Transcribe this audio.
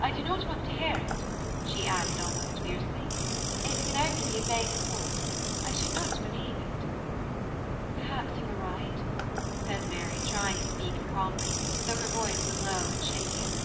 I do not want to hear it," she added, almost fiercely; "it can only be a vague report I should not believe it" " Perhaps you are right," said Mary, trying to speak calmly, though her voice was low and shaking.